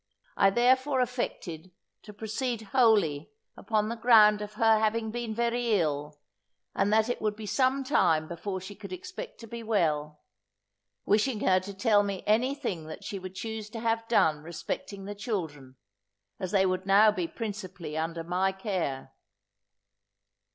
I therefore affected to proceed wholly upon the ground of her having been very ill, and that it would be some time before she could expect to be well; wishing her to tell me any thing that she would choose to have done respecting the children, as they would now be principally under my care.